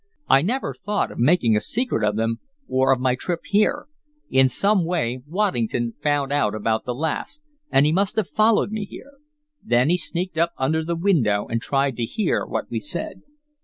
I never thought of making a secret of them, or of my trip here. In some way Waddington found out about the last, and he must have followed me here. Then he sneaked up under the window, and tried to hear what we said."